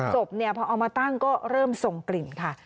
ศพพอเอามาตั้งก็เริ่มส่งกลิ่นค่ะ